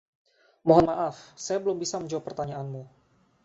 Mohon maaf, saya belum bisa menjawab pertanyaanmu.